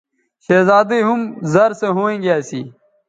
شہزادی ھم زر سو ھوینگے اسی